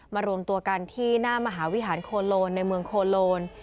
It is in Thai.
รวมตัวกันที่หน้ามหาวิหารโคโลนในเมืองโคโลน